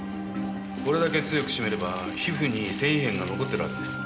これだけ強く絞めれば皮膚に繊維片が残ってるはずです。